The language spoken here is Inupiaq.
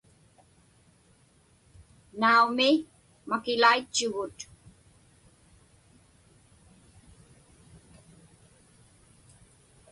Naumi, makilaitchugut.